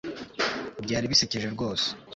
Byari bisekeje rwose